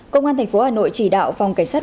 công an tp hà nội chỉ đạo phòng cảnh sát